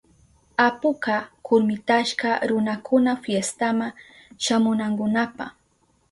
Apuka kurmitashka runakuna fiestama shamunankunapa.